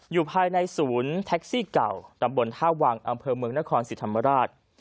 อยู่ภายในศูนย์แท็กซี่เก่าตำบลท่าวังอำเภอเมืองนครศรีธรรมราช